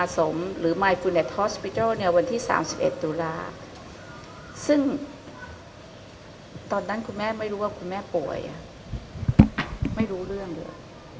ซึ่งตอนนั้นคุณแม่ไม่รู้ว่าคุณแม่ป่วยไม่รู้เรื่องเลย